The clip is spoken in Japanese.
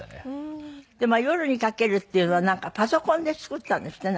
『夜に駆ける』っていうのはパソコンで作ったんですって？